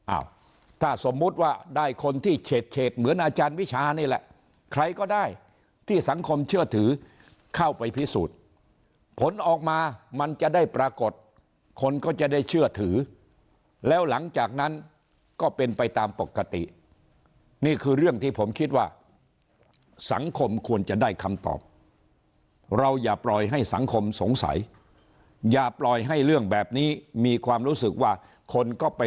อ้าวถ้าสมมุติว่าได้คนที่เฉดเฉดเหมือนอาจารย์วิชานี่แหละใครก็ได้ที่สังคมเชื่อถือเข้าไปพิสูจน์ผลออกมามันจะได้ปรากฏคนก็จะได้เชื่อถือแล้วหลังจากนั้นก็เป็นไปตามปกตินี่คือเรื่องที่ผมคิดว่าสังคมควรจะได้คำตอบเราอย่าปล่อยให้สังคมสงสัยอย่าปล่อยให้เรื่องแบบนี้มีความรู้สึกว่าคนก็ไป